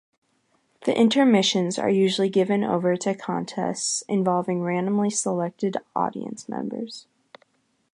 The intermissions are usually given over to contests involving randomly selected audience members.